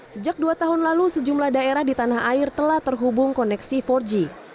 sejak dua tahun lalu sejumlah daerah di tanah air telah terhubung koneksi empat g